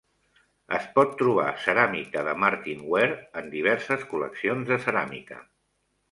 Es pot trobar ceràmica de Martinware en diverses col·leccions de ceràmica.